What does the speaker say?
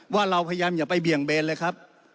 ว่าเราพยายามอย่าไปเบี่ยงเบนเลยครับ